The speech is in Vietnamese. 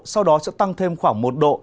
sau đó sẽ tăng thêm khoảng một độ